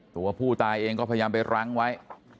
ตัวผู้ตายเองก็พยายามไปรั้งไว้